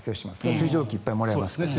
水蒸気をいっぱいもらいますから。